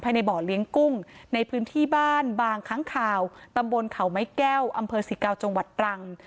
ไปในบ่อเลี้ยงกุ้งในพื้นที่บ้านบางค้างคาวตำบลเขาไม้แก้วอำเภอ๑๙จรังพร้อม